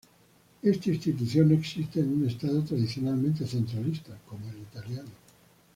Esta institución no existe en un estado tradicionalmente centralista como el italiano.